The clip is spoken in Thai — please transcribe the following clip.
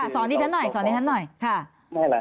สอนั่นด้วยฉันหน่อย